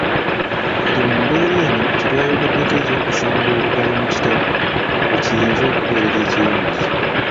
Kati mu mbeera eno kyetwayogedeko eky'okusonga olugalo mu kitabo weekiyinza okubeerera ekirungi.